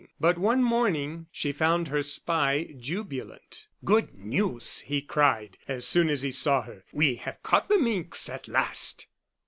But one morning she found her spy jubilant. "Good news!" he cried, as soon as he saw her; "we have caught the minx at last."